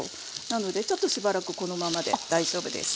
なのでちょっとしばらくこのままで大丈夫です。